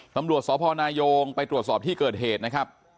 ตำรวจสพนายงไปตรวจสอบที่เกิดเหตุนะครับ